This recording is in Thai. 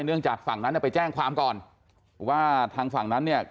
เนื่องจากฝั่งนั้นจะไปแจ้งความก็ว่าทางฝั่งนั้นเนี่ย